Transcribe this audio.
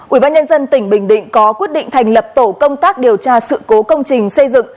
ubnd tỉnh bình định có quyết định thành lập tổ công tác điều tra sự cố công trình xây dựng